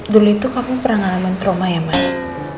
dulu itu kamu pernah ngalaman trauma ya mas